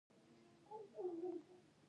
آیا دوی د لرګیو بکسونه نه جوړوي؟